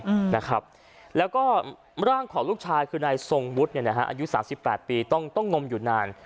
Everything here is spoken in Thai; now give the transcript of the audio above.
อืมนะครับแล้วก็ร่างของลูกชายคือนายทรงวุฒิเนี่ยนะฮะอายุสามสิบแปดปีต้องต้องงมอยู่นาน